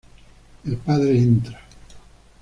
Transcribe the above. El padre entra.